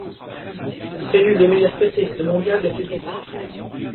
C'est l'une des meilleures spécialistes mondiales de cette discipline.